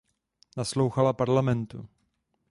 Naslouchala Parlamentu.